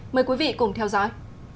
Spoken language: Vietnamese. mời quý vị cùng theo dõi